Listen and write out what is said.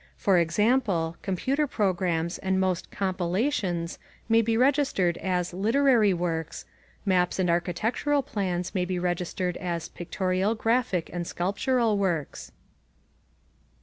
For example, computer programs and most "compilations" may be registered as "literary works"; maps and architectural plans may be registered as "pictorial, graphic, and sculptural works."